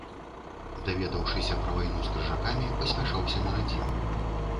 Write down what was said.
Даведаўшыся пра вайну з крыжакамі, паспяшаўся на радзіму.